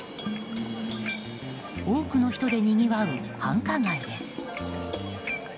多くの人でにぎわう繁華街です。